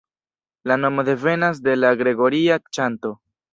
La nomo devenas de la Gregoria ĉanto.